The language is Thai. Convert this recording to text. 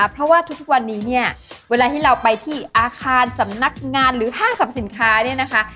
เพราะว่าทุกวันนี้เวลาที่เราไปที่อาคารสำนักงานหรือห้าสำสินค้า